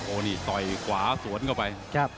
โอ้โฮต่อยกวาสวนเข้าไป